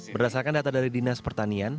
berdasarkan data dari dinas pertanian